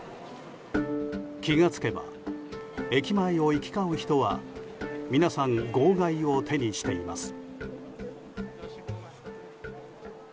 気が付けば、駅前を行き交う人は皆さん号外を手にしています。